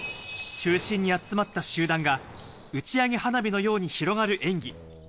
中心に集まった集団が打ち上げ花火のように広がる演技。